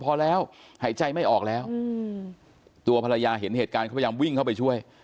พอแล้วหายใจไม่ออกแล้วตัวภรรยาเห็นเหตุการณ์เขาพยายามวิ่งเข้าไปช่วย